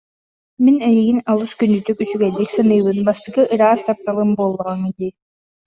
Мин эйигин олус күндүтүк, үчүгэйдик саныыбын, бастакы ыраас тапталым буоллаҕыҥ дии